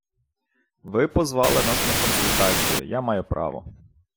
Ви позвали нас на консультацію, я маю право...